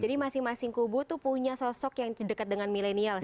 jadi masing masing kubu itu punya sosok yang dekat dengan millennial sih